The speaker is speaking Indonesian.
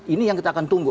ini yang kita akan tunggu